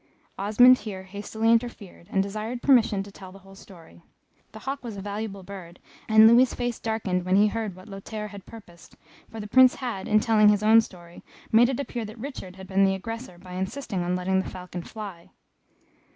Osmond here hastily interfered, and desired permission to tell the whole story. The hawk was a valuable bird, and Louis's face darkened when he heard what Lothaire had purposed, for the Prince had, in telling his own story, made it appear that Richard had been the aggressor by insisting on letting the falcon fly.